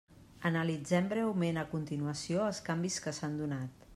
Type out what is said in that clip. Analitzem breument a continuació els canvis que s'han donat.